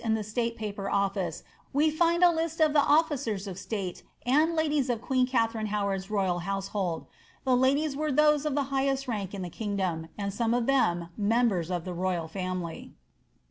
in the State Paper Office we find a list of the officers of state and ladies of queen Katharine Howard's royal house hold. The ladies were those of the highest rank in the kingdom, and some of them members of the royal &mily.